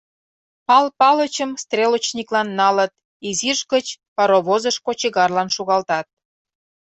Пал Палычым стрелочниклан налыт, изиш гыч паровозыш кочегарлан шогалтат.